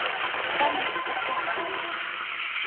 ２人の接点は？